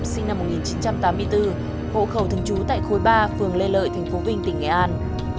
sinh năm một nghìn chín trăm tám mươi bốn hộ khẩu thường trú tại khối ba phường lê lợi tp vinh tỉnh nghệ an